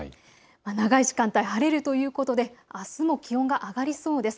長い時間帯、晴れるということであすも気温が上がりそうです。